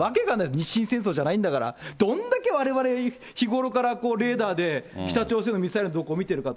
日清戦争じゃないんだから、どんだけわれわれ、日頃からレーダーで北朝鮮のミサイルの動向を見てるかと。